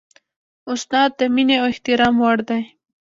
استاد د مینې او احترام وړ دی.